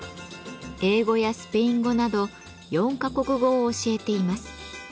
英語やスペイン語など４か国語を教えています。